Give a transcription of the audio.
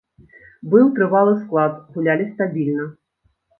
Быў трывалы склад, гулялі стабільна.